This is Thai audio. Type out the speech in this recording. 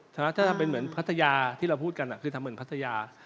ถ้าทำเป็นเหมือนพัทยาที่เราพูดกันคือทำเหมือนพัทยา